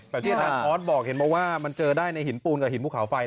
แบบที่ทางออสบอกเห็นว่ามันเจอได้ในหินปูนกับหินผู้ขาวไฟ